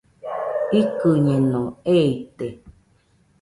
Ikɨñeno, eite